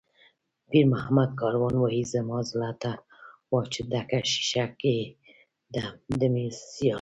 پیرمحمد کاروان وایي: "زما زړه ته وا چې ډکه شیشه ګۍ ده د مېږیانو".